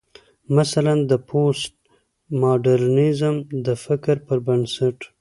مثلا: د پوسټ ماډرنيزم د فکر پر بنسټ